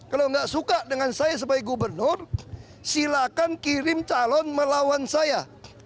kalau nggak suka dengan saya sebagai gubernur silakan kirim calon melawan saya